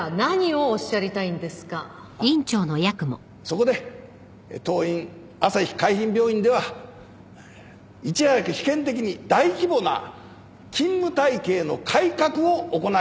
そこで当院あさひ海浜病院ではいち早く試験的に大規模な勤務体系の改革を行いたいと思います。